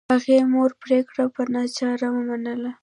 هغې د مور پریکړه په ناچارۍ ومنله